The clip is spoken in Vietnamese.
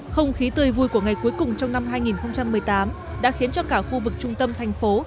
không khí tươi vui của ngày cuối cùng trong năm hai nghìn một mươi tám đã khiến cho cả khu vực trung tâm thành phố